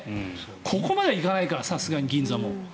ここまでいかないかさすがに銀座も。